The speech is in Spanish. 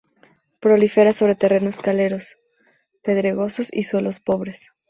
Prolifera sobre terrenos calcáreos, pedregosos y suelos pobres.